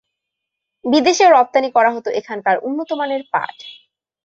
বিদেশেও রপ্তানি করা হতো এখানকার উন্নতমানের পাট।